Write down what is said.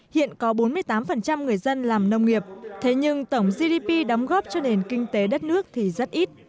hiện có bốn mươi tám người dân làm nông nghiệp thế nhưng tổng gdp đóng góp cho nền kinh tế đất nước thì rất ít